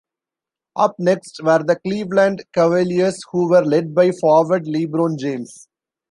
Up next were the Cleveland Cavaliers, who were led by forward LeBron James.